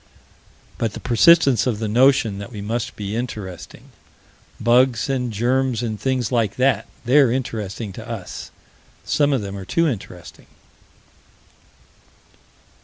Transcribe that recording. But the persistence of the notion that we must be interesting. Bugs and germs and things like that: they're interesting to us: some of them are too interesting.